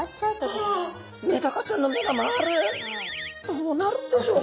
どうなるんでしょうか？